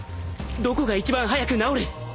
どこが一番早く治る？